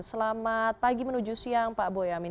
selamat pagi menuju siang pak boyamin